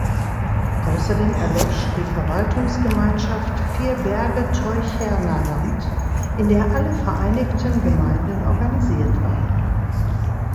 Außerdem erlosch die Verwaltungsgemeinschaft Vier Berge-Teucherner Land, in der alle vereinigten Gemeinden organisiert waren.